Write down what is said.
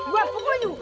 gue pukul you